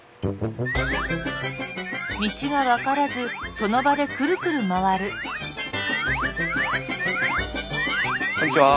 あっこんにちは。